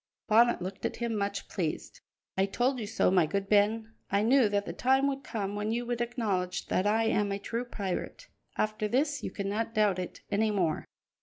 Bonnet looked at him much pleased. "I told you so, my good Ben. I knew that the time would come when you would acknowledge that I am a true pirate; after this, you cannot doubt it any more."